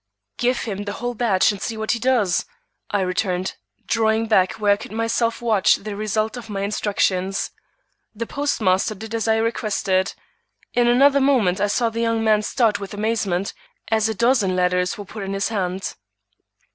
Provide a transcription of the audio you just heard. "Give him the whole batch and see what he does," I returned, drawing back where I could myself watch the result of my instructions. The postmaster did as I requested. In another moment I saw the young man start with amazement as a dozen letters were put in his hand.